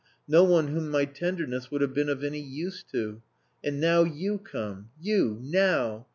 No one whom my tenderness would have been of any use to. And now you come. You! Now!